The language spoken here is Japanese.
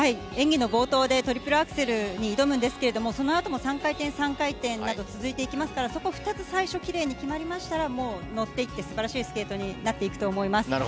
演技の冒頭でトリプルアクセルに挑むんですけれども、そのあとも３回転３回転など、続いていきますから、そこ、２つ、最初きれいに決まりましたら、もう乗っていって、すばらしいスケートになっていくと思います。